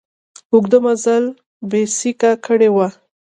اوږده مزل بېسېکه کړی و.